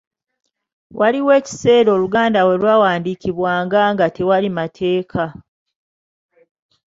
Waaliwo ekiseera Oluganda we lwawandiikibwanga nga tewali mateeka.